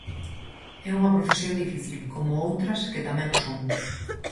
É unha profesión difícil, como outras que tamén o son.